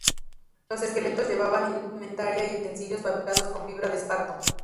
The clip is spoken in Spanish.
Los esqueletos llevaban indumentaria y utensilios fabricados con fibra de esparto.